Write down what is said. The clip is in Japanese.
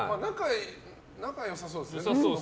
仲良さそうですね。